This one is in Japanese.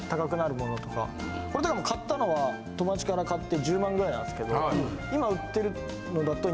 これでも買ったのは友達から買って１０万ぐらいなんすけど今売ってるのだと。